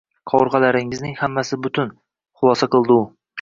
Qovurg`alaringizning hammasi butun, xulosa qildi u